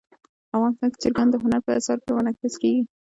افغانستان کې چرګان د هنر په اثار کې منعکس کېږي.